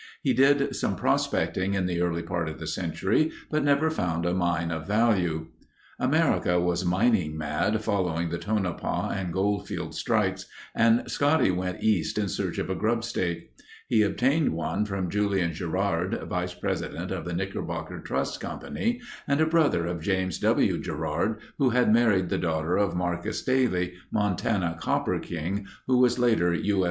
He did some prospecting in the early part of the century, but never found a mine of value. America was mining mad following the Tonopah and Goldfield strikes and Scotty went East in search of a grubstake. He obtained one from Julian Gerard, Vice President of the Knickerbocker Trust Company and a brother of James W. Gerard who had married the daughter of Marcus Daly, Montana copper king and who was later U.S.